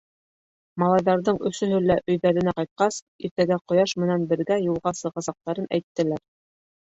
Малайҙарҙың өсөһө лә өйҙәренә ҡайтҡас, иртәгә ҡояш менән бергә юлға сығасаҡтарын әйттеләр.